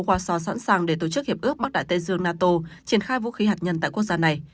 qua so sẵn sàng để tổ chức hiệp ước bắc đại tây dương nato triển khai vũ khí hạt nhân tại quốc gia này